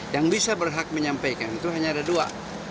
yang bisa berhak menyampaikan itu hanya ada dua